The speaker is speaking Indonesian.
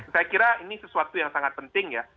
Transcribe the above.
saya kira ini sesuatu yang sangat penting ya